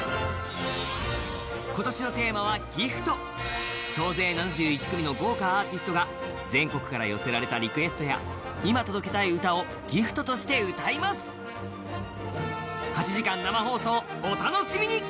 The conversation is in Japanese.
今年のテーマは「ＧＩＦＴギフト」総勢７１組の豪華アーティストが全国から寄せられたリクエストや今届けたい歌をギフトとして歌います８時間生放送お楽しみに！